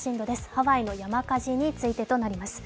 ハワイの山火事についてとなります。